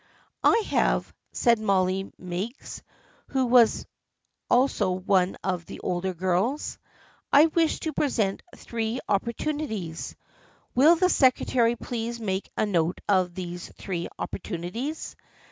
"" I have," said Molly Meigs, who was also one of the older girls. " I wish to present Three Oppor tunities. Will the secretary please make a note of these Three Opportunities?